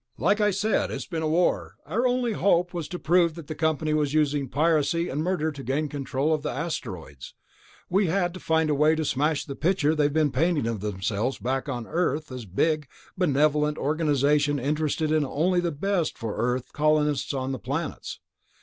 "Like I said, it's been a war. Our only hope was to prove that the company was using piracy and murder to gain control of the asteroids. We had to find a way to smash the picture they've been painting of themselves back on Earth as a big, benevolent organization interested only in the best for Earth colonists on the planets.